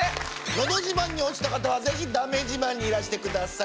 「のど自慢」に落ちた方は是非「だめ自慢」にいらしてください。